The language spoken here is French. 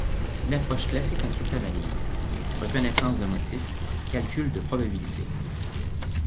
Une approche classique en cryptanalyse. Reconnaissance de motifs, calcul de probabilité.